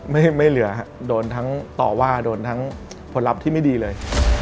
ไม่เหลือโดนทั้งต่อว่าโดนทั้งผลลัพธ์ที่ไม่ดีเลย